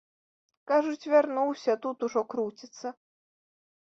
Кажуць, вярнуўся, тут ужо круціцца.